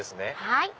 はい。